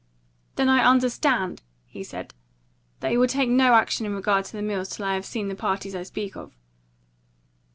"Then I understand," he said, "that you will take no action in regard to the mills till I have seen the parties I speak of."